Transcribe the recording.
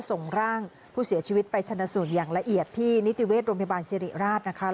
ส่งร่างผู้เสียชีวิตไปชนะสูตรอย่างละเอียดที่นิติเวชโรงพยาบาลสิริราชนะคะ